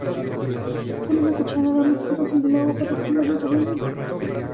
Con una cuchara damos giros en el agua para formar un remolino.